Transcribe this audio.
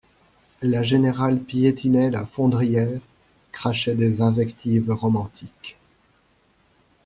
La générale piétinait la fondrière, crachait des invectives romantiques.